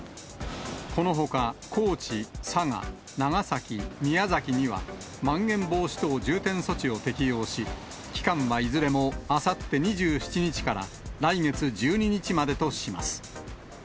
このほか、高知、佐賀、長崎、宮崎には、まん延防止等重点措置を適用し、期間はいずれも、あさって２７日から来月１２日までとします。